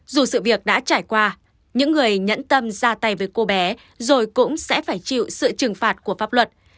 dù sự việc đã trải qua những người nhẫn tâm ra tay với cô bé rồi cũng sẽ phải chịu sự trừng phạt của pháp luật